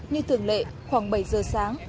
như thường lệ khoảng bảy giờ sáng